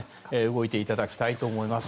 動いていただきたいと思います。